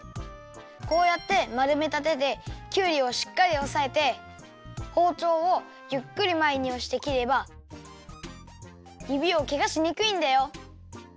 こうやってまるめたてできゅうりをしっかりおさえてほうちょうをゆっくりまえにおしてきればゆびをけがしにくいんだよ。